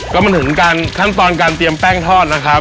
ก็มันถึงการขั้นตอนการเตรียมแป้งทอดนะครับ